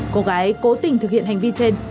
cô gái cố tình thực hiện hành vi trên